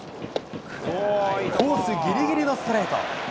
コースぎりぎりのストレート。